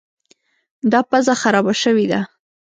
دا پزه خرابه شوې ده.